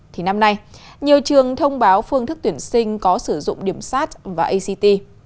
thì năm nay nhiều trường thông báo phương thức tuyển sinh có sử dụng điểm sát và act